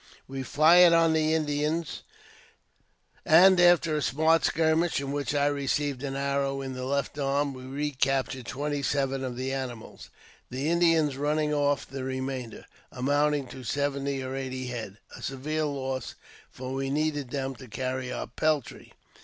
We fired on the Indians, and, after a smart skirmish, in which I received an arrow in the left arm, we recaptured twenty seven of the animals, the Indians running off the re mainder, amounting to seventy or eighty head ; a severe loss, for w^e needed them to carry our peltry.